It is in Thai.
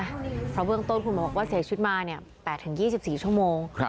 เพราะว่าเมืองต้นคุณบอกว่าเสียชีวิตมาแปดถึง๒๔ชั่วโมง